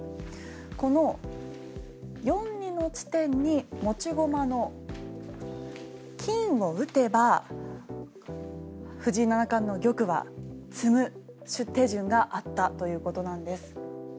この４二の地点に持ち駒の金を打てば藤井七冠の玉は詰む手順があったということなんです。